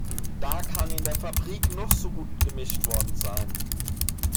Da kann in der Fabrik noch so gut gemischt worden sein.